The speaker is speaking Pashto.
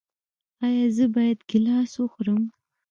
ایا زه باید ګیلاس وخورم؟